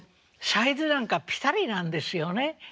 サイズなんかピタリなんですよね。